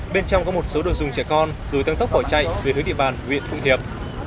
bên trong có một số đồ dùng trẻ con rồi tăng tốc bỏ chạy về hướng địa bàn huyện phụng hiệp